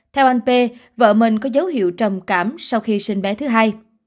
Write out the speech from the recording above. theo anh p vợ mình có dấu hiệu trầm cảm sau khi sinh bé thứ hai